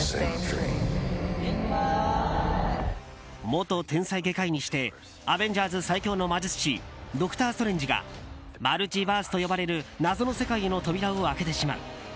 元天才外科医にしてアベンジャーズ最強の魔術師ドクター・ストレンジがマルチバースと呼ばれる謎の世界への扉を開けてしまう。